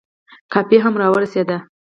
کافي هم را ورسېده.